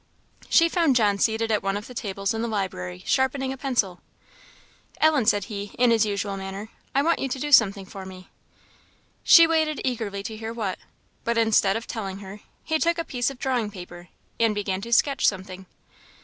She found John seated at one of the tables in the library, sharpening a pencil. "Ellen," said he, in his usual manner "I want you to do something for me." She waited eagerly to hear what; but, instead of telling her, he took a piece of drawing paper, and began to sketch something.